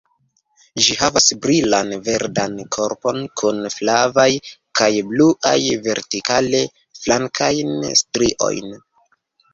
Ĝi havas brilan verdan korpon kun flavaj kaj bluaj, vertikale flankajn striojn.